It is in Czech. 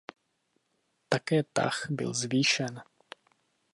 Také tah byl zvýšen.